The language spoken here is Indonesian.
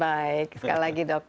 baik sekali lagi dok